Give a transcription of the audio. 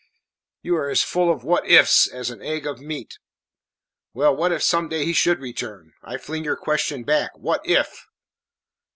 You are as full of "what if s" as an egg of meat. Well what if some day he should return? I fling your question back what if?"